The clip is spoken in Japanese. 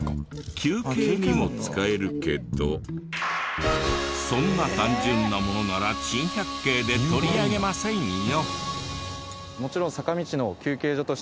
休憩にも使えるけどそんな単純なものなら珍百景で取り上げませんよ。